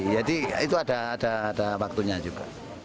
jadi itu ada waktunya juga